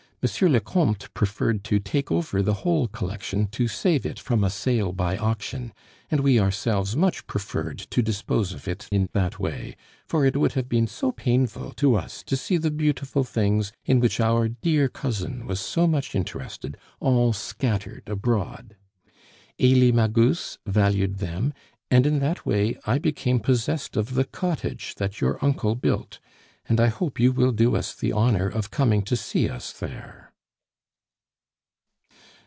le Comte preferred to take over the whole collection to save it from a sale by auction; and we ourselves much preferred to dispose of it in that way, for it would have been so painful to us to see the beautiful things, in which our dear cousin was so much interested, all scattered abroad. Elie Magus valued them, and in that way I became possessed of the cottage that your uncle built, and I hope you will do us the honor of coming to see us there."